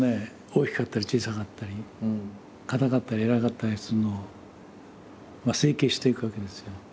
大きかったり小さかったり硬かったり軟らかかったりするのを整形していくわけですよ。